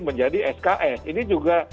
menjadi sks ini juga